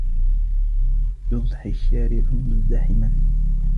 يُضْحِي الشَّارِعُ مُزْدَحِمًا.